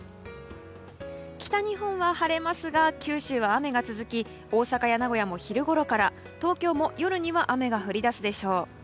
北日本は晴れますが九州は雨が続き大阪や名古屋も昼ごろから東京も夜には雨が降り出すでしょう。